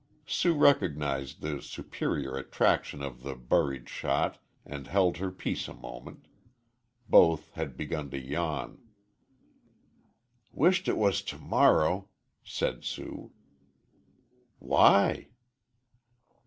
Sue recognized the superior attraction of the buried shot and held her peace a moment. Both had begun to yawn. "Wisht it was t' morrow," said Sue. "Why?"